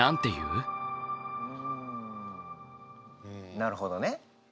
なるほどね。